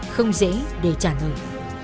không dễ để trả lời